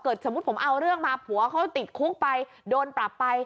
สมมุติผมเอาเรื่องมาผัวเขาติดคุกไปโดนปรับไป